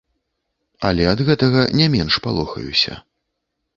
Але ад гэтага не менш палохаюся.